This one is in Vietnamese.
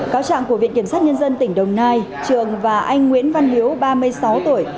cáo trạng của viện kiểm sát nhân dân tỉnh đồng nai trường và anh nguyễn văn hiếu ba mươi sáu tuổi